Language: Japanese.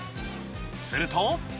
すると。